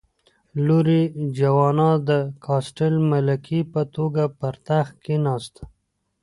لور یې جوانا د کاسټل ملکې په توګه پر تخت کېناسته.